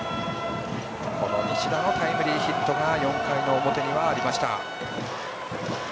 西田のタイムリーヒットが４回の表にはありました。